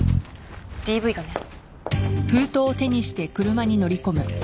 ＤＶがね。